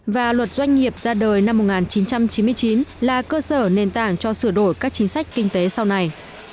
và luật doanh nghiệp ra đời năm một nghìn chín trăm chín mươi chín là cơ sở nền tảng cho sửa đổi các chính sách kinh tế sau này